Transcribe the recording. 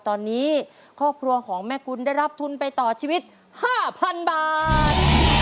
ตอนนี้ครอบครัวของแม่กุลได้รับทุนไปต่อชีวิต๕๐๐๐บาท